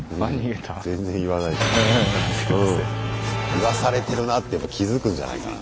言わされてるなって気付くんじゃないかな。